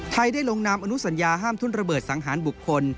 ได้ลงนามอนุสัญญาห้ามทุ่นระเบิดสังหารบุคคล